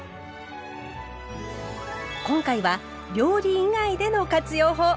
今回は料理以外での活用法。